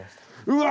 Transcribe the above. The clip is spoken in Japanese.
うわ！